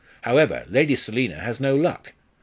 However, Lady Selina has no luck!